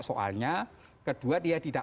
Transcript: soalnya kedua dia tidak